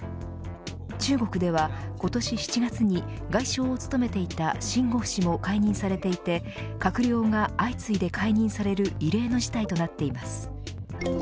中国では、今年７月に外相を務めていた秦剛氏も解任されていて閣僚が相次いで解任される異例の事態となっています。